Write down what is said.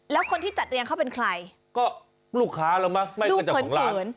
แล้วคนที่จัดเลี้ยงเขาเป็นใครก็ลูกค้าแล้วมั้ยดูเผินเผิน